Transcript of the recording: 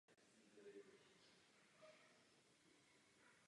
Naštěstí Ryan doráží včas s vrtulníky a dostává Jodie do bezpečí.